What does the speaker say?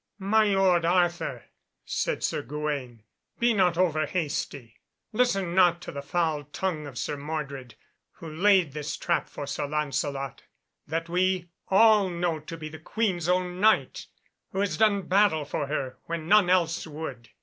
"My lord Arthur," said Sir Gawaine, "be not over hasty; listen not to the foul tongue of Sir Mordred, who laid this trap for Sir Lancelot, that we all know to be the Queen's own Knight, who has done battle for her when none else would.